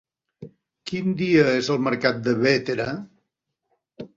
Quin dia és el mercat de Bétera?